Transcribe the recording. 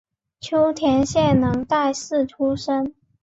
秋田县能代市出身。